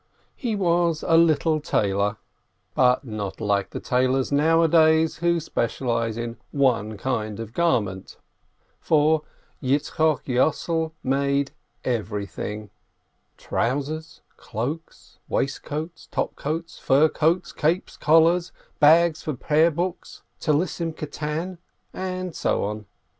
He was a little tailor, but not like the tailors YITZCHOK YOSSEL BROITGEBER 237 nowadays, who specialize in one kind of garment, for Yitzchok Yossel made . everything: trousers, cloaks, waistcoats, top coats, fur coats, capes, collars, bags for prayer books, "little prayer scarfs," and so on.